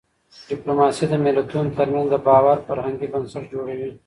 ډيپلوماسي د ملتونو ترمنځ د باور فرهنګي بنسټ جوړوي.